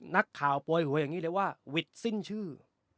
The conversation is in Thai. นักข่าวโปรยหัวอย่างนี้เลยว่าวิทย์สิ้นชื่อ